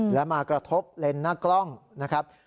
และมากระทบเลนส์หน้ากล้องนะครับ